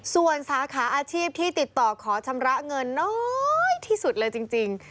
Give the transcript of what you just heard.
ส่วนสาขาอาชีพที่ติดต่อขอชำระเงินน้อยที่สุดเลยจริง